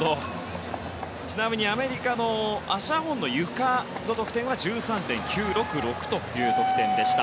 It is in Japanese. ちなみにアメリカのアッシャー・ホンのゆかの得点は１３．９６６でした。